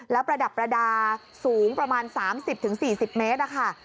แล้วประดับประดาษสูงประมาณ๓๐๔๐เมตรค่ะ